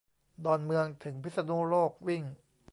ดอนเมืองถึงพิษณุโลกวิ่ง